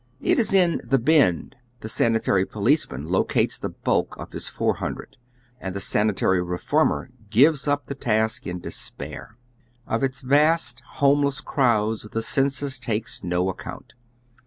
It is in " the Bend " the sanitary policeman locates the bulk of his four hundred, and the sanitary reformer gives up the task in despair. Of its vast Jiomeless crowds the census takes no account.